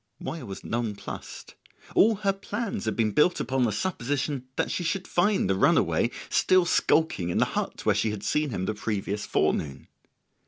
Moya was nonplussed: all her plans had been built upon the supposition that she should find the runaway still skulking in the hut where she had seen him the previous forenoon.